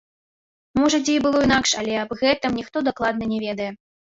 Можа, дзе і было інакш, але аб гэтым ніхто дакладна не ведае.